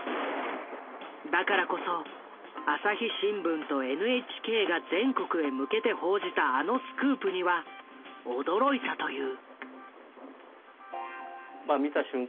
だからこそ朝日新聞とＮＨＫが全国へ向けて報じたあのスクープには驚いたという。